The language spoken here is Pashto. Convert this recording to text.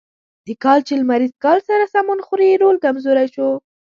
د کال چې له لمریز کال سره سمون خوري رول کمزوری شو.